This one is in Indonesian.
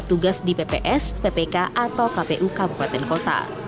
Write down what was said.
dan juga petugas di pps ppk atau kpu kabupaten kota